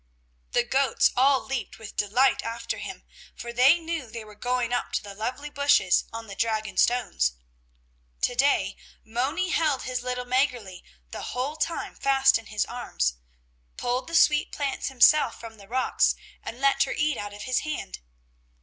The goats all leaped with delight after him, for they knew they were going up to the lovely bushes on the Dragon stones. To day Moni held his little Mäggerli the whole time fast in his arms, pulled the sweet plants himself from the rocks and let her eat out of his hand.